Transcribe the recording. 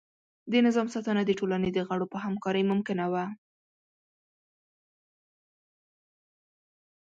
د نظام ساتنه د ټولنې د غړو په همکارۍ ممکنه وه.